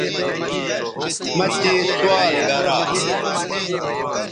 مہ تے سوال گرا